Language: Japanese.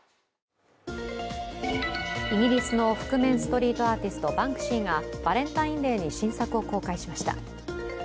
イギリスの覆面ストリートアーティスト、バンクシーがバレンタインデーに新作を公開しました。